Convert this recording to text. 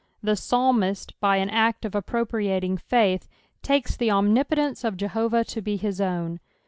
The pealm'iet, bj an act of appropriating faith, takes the omnipotence of Jehovah to be his own.